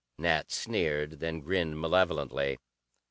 Nat sneered, then grinned malevolently.